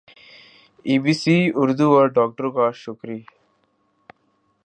ی B C Urdu اور ڈاکٹروں کا شکری